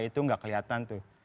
itu nggak kelihatan tuh